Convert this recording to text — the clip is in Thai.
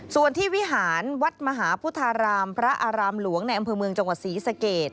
ส่วนที่วิหารวัดมหาพุทธารามพระอารามหลวงในอำเภอเมืองจังหวัดศรีสเกต